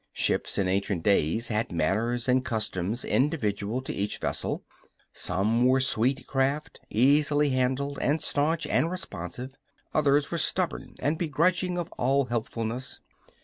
Ships, in ancient days, had manners and customs individual to each vessel. Some were sweet craft, easily handled and staunch and responsive. Others were stubborn and begrudging of all helpfulness.